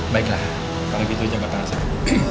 baiklah kalau gitu hijab para saksi